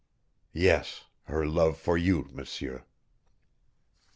"Yes, her love for you, M'seur."